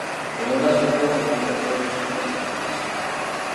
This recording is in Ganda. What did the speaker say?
Omugaso gw’omulimu gobusoomesa kyeki?